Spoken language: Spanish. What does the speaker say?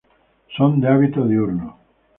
Son de hábito diurno.